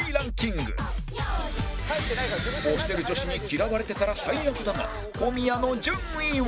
推してる女子に嫌われてたら最悪だが小宮の順位は